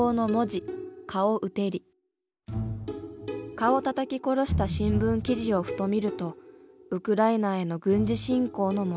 蚊をたたき殺した新聞記事をふと見ると「ウクライナへの軍事侵攻」の文字。